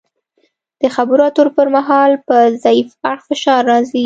د خبرو اترو پر مهال په ضعیف اړخ فشار راځي